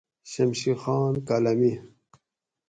شمشی خان کالا۟می